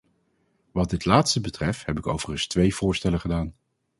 Wat dit laatste betreft heb ik overigens twee voorstellen gedaan.